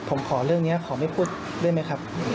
ผมขอเรื่องนี้ขอไม่พูดด้วยไหมครับ